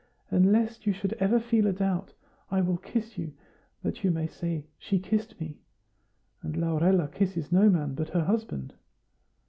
And lest you should ever feel a doubt, I will kiss you, that you may say, 'She kissed me;' and Laurella kisses no man but her husband."